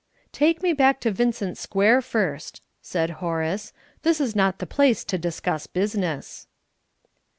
"Take me back to Vincent Square first," said Horace. "This is not the place to discuss business."